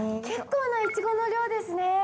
結構なイチゴの量ですね。